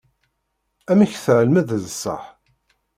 Amek tɛelmeḍ d ṣṣeḥ?